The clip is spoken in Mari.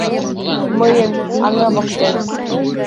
Мыйын аҥа воктенак.